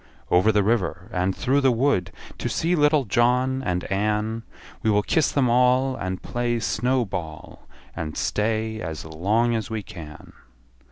Over the river, and through the wood, To see little John and Ann; We will kiss them all, And play snow ball, And stay as long as we can.